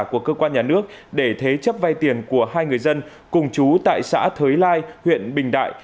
của cơ quan nhà nước để thế chấp vay tiền của hai người dân cùng chú tại xã thới lai huyện bình đại